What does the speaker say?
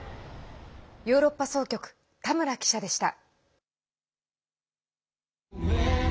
ヨーロッパ総局田村記者でした。